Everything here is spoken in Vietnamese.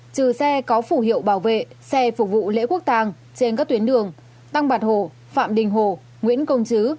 trừ xe có phủ hiệu bảo vệ xe phục vụ lễ quốc tàng trên các tuyến đường tăng bạc hồ phạm đình hồ nguyễn công chứ